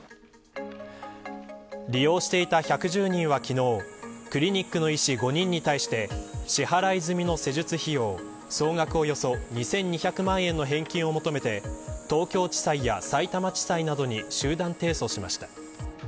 利用していた１１０人は昨日クリニックの医師５人に対して支払い済みの施術費用総額およそ２２００万円の返金を求めて東京地裁やさいたま地裁などに集団提訴しました。